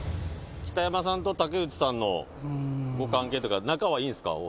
「北山さんと竹内さんのご関係というか仲はいいんですか？